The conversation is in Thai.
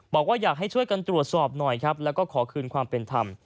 บอกว่าอยากให้ช่วยกันตรวจสอบหน่อยครับแล้วก็ขอคืนความเป็นธรรม